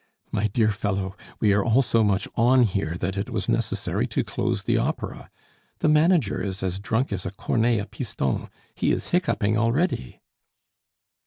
My dear fellow, we are all so much on here, that it was necessary to close the Opera. The manager is as drunk as a cornet a piston; he is hiccuping already."